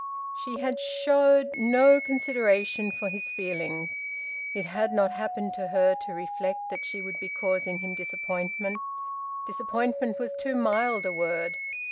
She had showed no consideration for his feelings. It had not happened to her to reflect that she would be causing him disappointment. Disappointment was too mild a word.